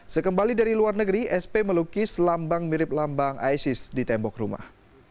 sekembali dari luar negeri sp melukis lambang mirip lambang isis di tembok rumah